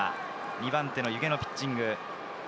２番手・弓削のピッチング。